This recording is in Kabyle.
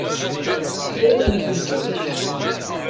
Tefka-yakent-tent-id.